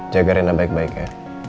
jaga renah baik baik ya